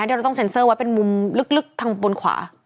ที่เราต้องเซ็นเซอร์ไว้เป็นมุมลึกทางบนขวา